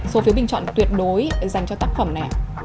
số phiếu bình chọn tuyệt đối dành cho tác phẩm này